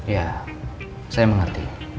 ya saya mengerti